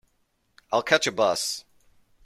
I'll catch a bus.